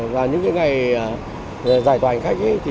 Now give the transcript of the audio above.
và những ngày giải tỏa hành khách